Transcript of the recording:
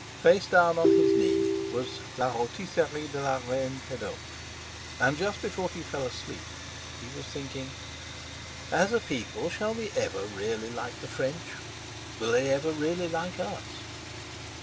Face down on his knee was La Rotisserie de la Refine Pedauque, and just before he fell asleep he had been thinking: 'As a people shall we ever really like the French? Will they ever really like us!'